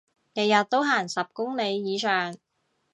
日日都行十公里以上